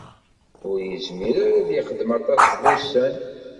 Ur izmir ara ad ixdem aṭas n wussan